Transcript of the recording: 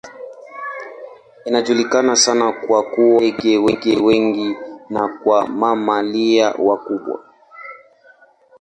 Inajulikana sana kwa kuwa na ndege wengi na kwa mamalia wakubwa.